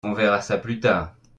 on verra ça plus tard.